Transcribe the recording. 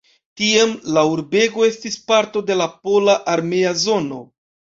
Tiam la urbego estis parto de la pola armea zono.